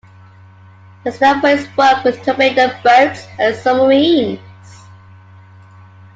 He is known for his work with torpedo boats and submarines.